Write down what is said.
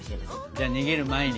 じゃあ逃げる前に。